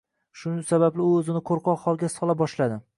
Shu sababli u o‘zini qo‘rqoq holga sola boshladi.